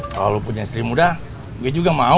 kalau punya istri muda gue juga mau